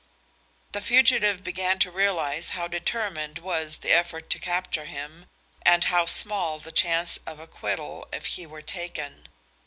The fugitive began to realize how determined was the effort to capture him and how small the chance of acquittal if he were taken.